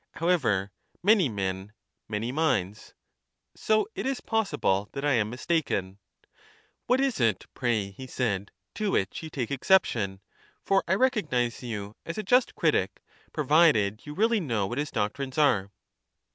However, many men, many minds'^: so it is possible that I am mistaken." What is it, pray," he said, to whieh you take exception? For I recognize you as a just critic, provided you 6 really know what his doctrines are."